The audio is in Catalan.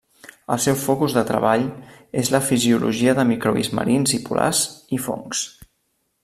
El seu focus de treball és la fisiologia de microbis marins i polars, i fongs.